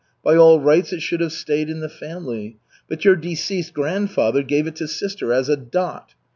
By all rights it should have stayed in the family. But your deceased grandfather gave it to sister as a dot.